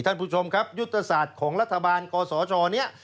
ท่านผู้ชมครับยุทธศาสตร์ของรัฐบาลกศชเนี่ย